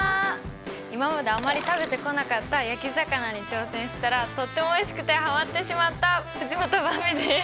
今まであまり食べてこなかった焼き魚に挑戦したらとってもおいしくてはまってしまった藤本ばんびです！